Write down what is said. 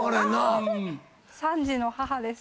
３児の母です。